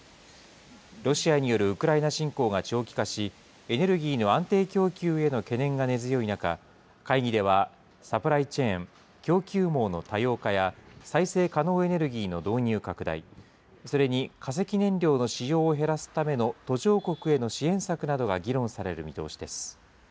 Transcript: ロシアによるウクライナ侵攻が長期化し、エネルギーの安定供給への懸念が根強い中、会議では、サプライチェーン・供給網の多様化や、再生可能エネルギーの導入拡大、それに化石燃料の使用を減らすための途上国への支援策などが議論される見通しです。